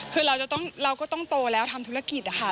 คือเราก็ต้องโตแล้วทำธุรกิจอะค่ะ